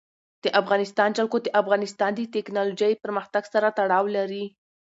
د افغانستان جلکو د افغانستان د تکنالوژۍ پرمختګ سره تړاو لري.